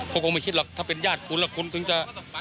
ก็คงไม่คิดหรอกถ้าเป็นญาติคุณแล้วคุณถึงจะ